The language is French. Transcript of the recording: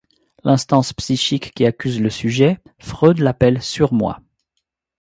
L'instance psychique qui accuse le sujet, Freud l'appelle Surmoi.